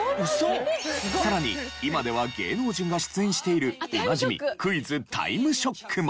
さらに今では芸能人が出演しているおなじみ『クイズタイムショック』も。